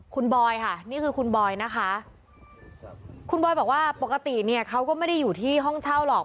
คุณบอยค่ะนี่คือคุณบอยนะคะคุณบอยบอกว่าปกติเนี่ยเขาก็ไม่ได้อยู่ที่ห้องเช่าหรอก